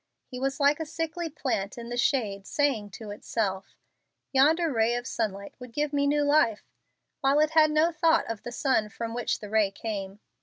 He was like a sickly plant in the shade saying to itself, "Yonder ray of sunlight would give me new life," while it has no thought of the sun from which the ray came.